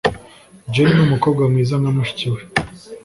Jane ni umukobwa mwiza nka mushiki we.